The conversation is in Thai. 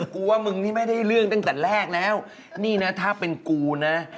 กูว่ามึงนี่ไม่ได้เลือกตั้งแต่แรกน้ำนี่นะถ้าเป็นกูน่ะ